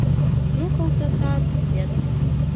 Ну колталтат вет!